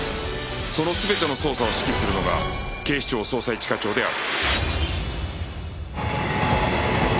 その全ての捜査を指揮するのが警視庁捜査一課長である